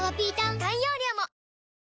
大容量も！